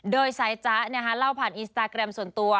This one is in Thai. โดยสายจ๊ะเล่าผ่านอินสตาแกรมส่วนตัว